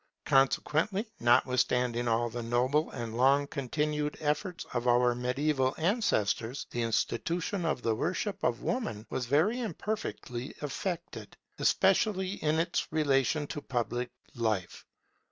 Consequently, notwithstanding all the noble and long continued efforts of our mediaeval ancestors, the institution of the worship of Woman was very imperfectly effected, especially in its relation to public life.